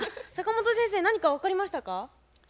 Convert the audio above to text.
坂本先生何か分かりましたか？